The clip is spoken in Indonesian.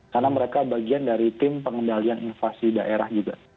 karena mereka bagian dari tim pengendalian invasi daerah juga